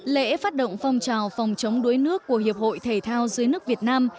lễ phát động phong trào phòng chống đuối nước của hiệp hội thể thao dưới nước việt nam